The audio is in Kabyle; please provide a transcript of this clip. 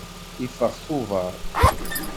Iffeɣ tuber.